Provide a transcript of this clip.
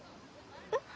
えっ？